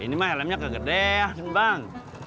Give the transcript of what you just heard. ini mah helmnya kegedean bang